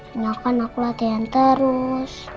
bukan aku latihan terus